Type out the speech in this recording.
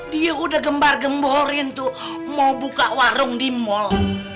dia udah gembar gemborin tuh mau buka warung di mall